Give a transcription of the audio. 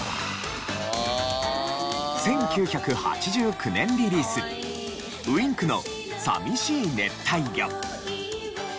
１９８９年リリースＷｉｎｋの『淋しい熱帯魚』。